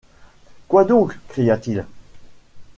Quoi donc? cria-t-il.